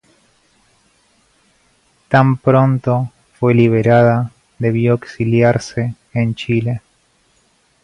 Tan pronto fue liberada debió exiliarse en Chile.